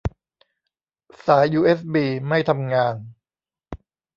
สายยูเอสบีไม่ทำงาน